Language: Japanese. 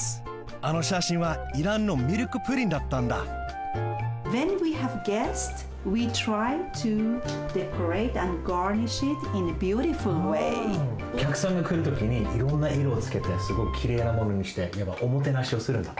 あのしゃしんはイランのミルクプリンだったんだおきゃくさんがくるときにいろんないろをつけてすごくきれいなものにしておもてなしをするんだって。